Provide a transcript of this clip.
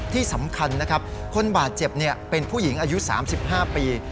ที่สำคัญนะครับคนบาดเจ็บเป็นผู้หญิงอายุ๓๕ปี